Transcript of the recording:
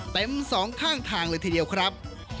สองข้างทางเลยทีเดียวครับ